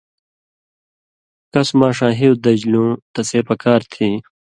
کس ماݜاں ہیُو دژیۡ لُوں تسے پکار تھی